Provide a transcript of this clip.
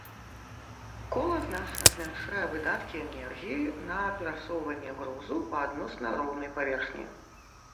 Кола значна змяншае выдаткі энергіі на перасоўванне грузу па адносна роўнай паверхні.